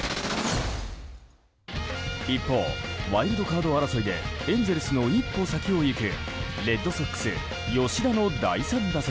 一方、ワイルドカード争いでエンゼルスの一歩先を行くレッドソックス吉田の第３打席。